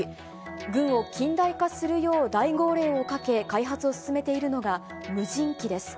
軍を近代化するよう大号令をかけ、開発を進めているのが、無人機です。